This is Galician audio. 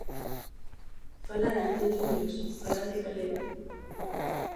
Falade neniños, falade galego.